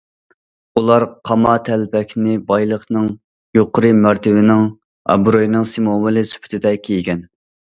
ئۇلار قاما تەلپەكنى بايلىقنىڭ، يۇقىرى مەرتىۋىنىڭ، ئابرۇينىڭ سىمۋولى سۈپىتىدە كىيگەن.